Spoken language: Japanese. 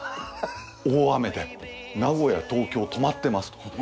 大雨で名古屋東京止まってますと。